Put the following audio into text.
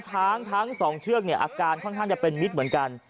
ทั้งสองเชือกเนี่ยอาการค่อนข้างจะเป็นมิตรเหมือนกัน